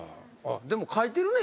でも書いてるね